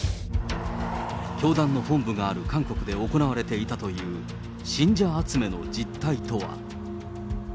教団の本部がある韓国で行われていたという、信者集めの実態とは。